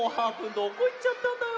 どこいっちゃったんだよ。